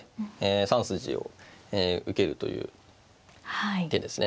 ３筋を受けるという手ですね。